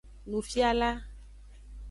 Nufiala.